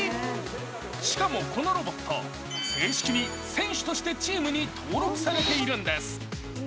しかも、このロボット正式に選手としてチームに登録されているんです。